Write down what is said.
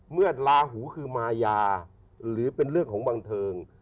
เมื่อลาหู้คือมายาหรือเป็นเลือกของบังเทิง